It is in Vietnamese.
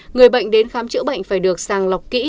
người bệnh đến khám chữa bệnh phải được sàng lọc kỹ